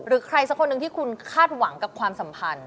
ใครสักคนหนึ่งที่คุณคาดหวังกับความสัมพันธ์